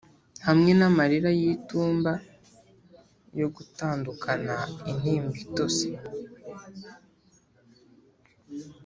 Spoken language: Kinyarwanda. hamwe n'amarira y'itumba yo gutandukana intimba itose;